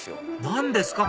何ですか？